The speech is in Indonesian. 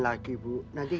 hmm gak ada kan